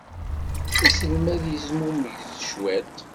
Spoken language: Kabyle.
Aselmad yezmumeg-d cwiṭ.